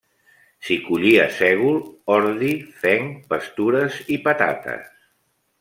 S'hi collia sègol, ordi, fenc, pastures i patates.